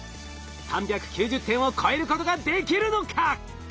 ３９０点を超えることができるのか？